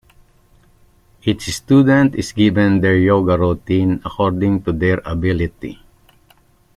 Each student is given their yoga routine according to their ability.